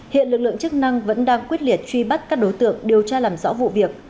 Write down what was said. hiện lực lượng chức năng vẫn đang quyết liệt truy bắt các đối tượng điều tra làm rõ vụ việc